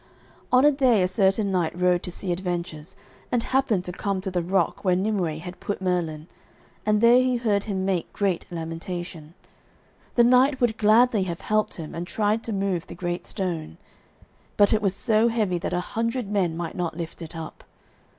On a day a certain knight rode to see adventures, and happened to come to the rock where Nimue had put Merlin, and there he heard him make great lamentation. The knight would gladly have helped him, and tried to move the great stone; but it was so heavy that a hundred men might not lift it up.